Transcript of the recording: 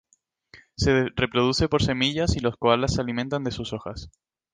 Se reproduce por semillas y los koalas se alimentan de sus hojas.